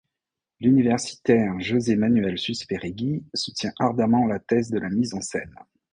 L'universitaire José Manuel Susperregui soutient ardemment la thèse de la mise en scène.